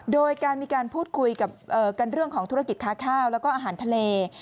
โดยการมีการพูดคุยกันเรื่องของธุรกิจค้าข้าวแล้วก็อาหารทะเล